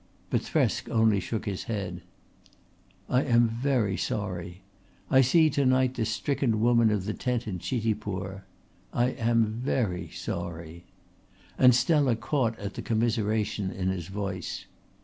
But Thresk only shook his head. "I am very sorry. I see to night the stricken woman of the tent in Chitipur. I am very sorry," and Stella caught at the commiseration in his voice.